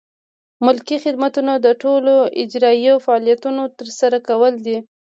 ملکي خدمتونه د ټولو اجرایوي فعالیتونو ترسره کول دي.